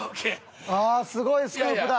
ああすごいスクープだ。